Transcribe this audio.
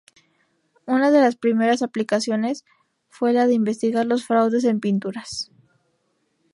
Una las primeras aplicaciones fue la de investigar los fraudes en pinturas.